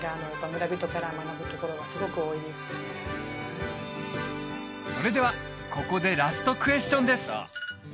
村人から学ぶところがすごく多いですそれではここでラストクエスチョンです